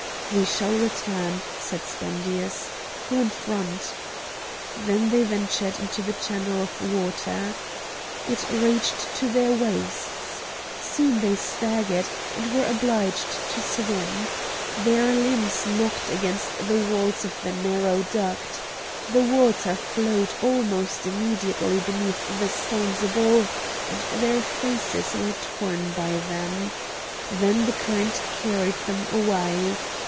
"We shall return," said Spendius; "go in front." Then they ventured into the channel of water. It reached to their waists. Soon they staggered, and were obliged to swim. Their limbs knocked against the walls of the narrow duct. The water flowed almost immediately beneath the stones above, and their faces were torn by them. Then the current carried them away.